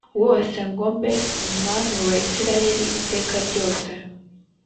wose ngo mbe umwami wa isirayeli iteka ryose